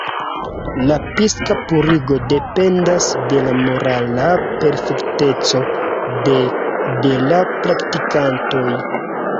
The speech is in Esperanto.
La psika purigo dependas de la morala perfekteco de de la praktikantoj.